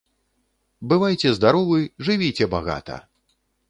Бывайце здаровы, жывіце багата!